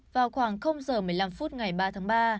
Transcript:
vào khoảng giờ một mươi năm phút ngày ba tháng ba